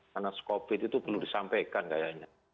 karena covid itu perlu disampaikan kayaknya